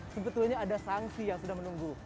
sebetulnya ada sanksi yang sudah menunggu